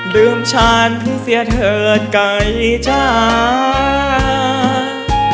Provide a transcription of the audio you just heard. ลืมฉันเสียเถิดไก่จ้า